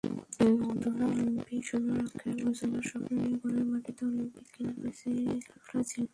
অধরা অলিম্পিক সোনার আক্ষেপ ঘোচানোর স্বপ্ন নিয়ে ঘরের মাটিতে অলিম্পিকে নেমেছে ব্রাজিল।